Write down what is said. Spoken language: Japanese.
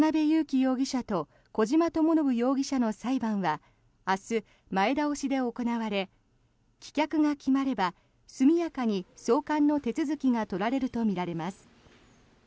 容疑者と小島智信容疑者の裁判は明日、前倒しで行われ棄却が決まれば速やかに送還の手続きが取られるとみられます。